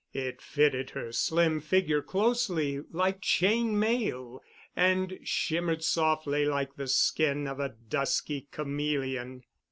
It fitted her slim figure closely like chain mail and shimmered softly like the skin of a dusky chameleon.